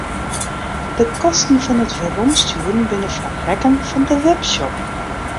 De kosten fan it weromstjoeren binne foar rekken fan de webshop.